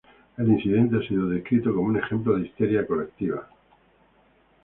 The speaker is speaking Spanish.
El incidente ha sido descrito como un ejemplo de histeria colectiva.